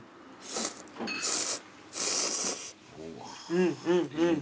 うんうんうん。